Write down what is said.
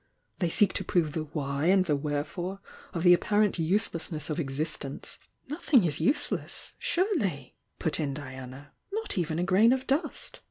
They ^rl. P'T *^ ^"i^ *"^ tJ^^ Wherefore of the ap^ parent uselessness of existence " 'Nothing is useless, surely!" put in Diana— "Not even a grain of dust!"